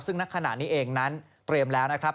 ซึ่งณขณะนี้เองนั้นเตรียมแล้วนะครับ